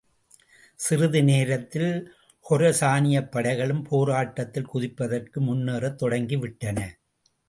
சிறிது நேரத்தில் கொரசானியப்படைகளும் போராட்டத்தில் குதிப்பதற்கு முன்னேறத் தொடங்கிவிட்டன.